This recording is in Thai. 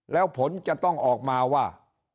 แล้วผลจะต้องออกมาว่า